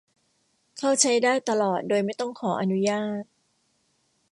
เข้าใช้ได้ตลอดโดยไม่ต้องขออนุญาต